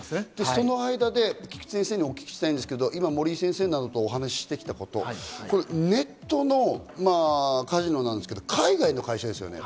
その間で菊地先生に聞きたいんですけど、今、森井先生などと話してきたこと、ネットのカジノなんですけど、海外の会社ですよね？